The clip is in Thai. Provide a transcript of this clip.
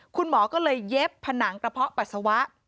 คุณหมอก็เลยเย็บผนังกระเพาะปัสสาวะ